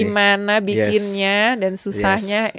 gimana bikinnya dan susahnya